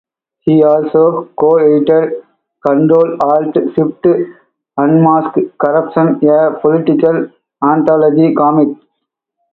He also co-edited "Ctrl.Alt.Shift Unmasks Corruption" a political anthology comic.